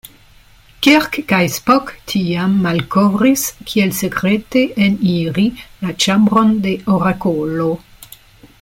Kirk kaj Spock tiam malkovris kiel sekrete eniri la ĉambron de Orakolo.